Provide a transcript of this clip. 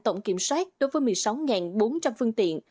tổng kiểm soát đối với một mươi sáu bốn trăm linh phương tiện